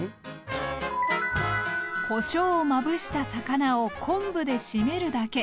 こしょうをまぶした魚を昆布でしめるだけ。